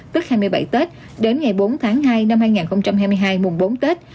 tức hai mươi bảy tết đến ngày bốn tháng hai năm hai nghìn hai mươi hai mùng bốn tết